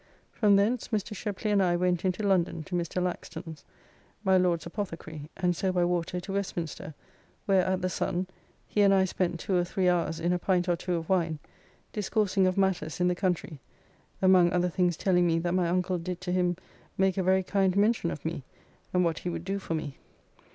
From thence Mr. Sheply and I went into London to Mr. Laxton's; my Lord's apothecary, and so by water to Westminster, where at the Sun [tavern] he and I spent two or three hours in a pint or two of wine, discoursing of matters in the country, among other things telling me that my uncle did to him make a very kind mention of me, and what he would do for me.